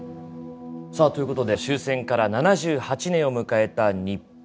さあということで終戦から７８年を迎えた日本。